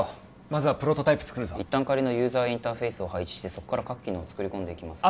まずはプロトタイプ作るぞ一旦仮のユーザーインターフェースを配置してそこから各機能を作り込んでいきます